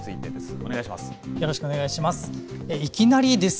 お願いします。